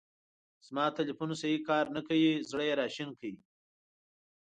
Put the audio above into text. زما تیلیفون سیی کار نه کوی. زړه یې را شین کړی.